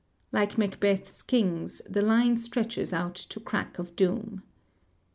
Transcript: Like Macbeth's kings, the line stretches out to crack of doom.